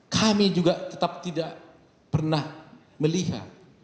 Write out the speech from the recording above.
kami juga tetap tidak pernah melihat